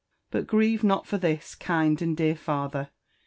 Bat grieve not for this, kind and dear father!